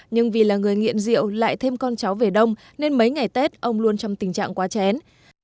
nhưng vì là người nghiện rượu lại thêm con cháu về đông nên mấy ngày tết ông luôn trong tình trạng quá chén